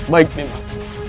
baik nih mas